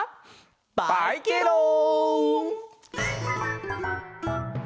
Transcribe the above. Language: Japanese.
バイケロん！